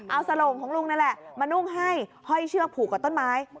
เอาสลงของลุงนั่นแหละมานุ่งให้ห้อยเชือกผูกกับต้นไม้